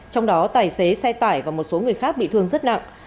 trong đó tài xế xe tải và một số người khác bị thương rất nặng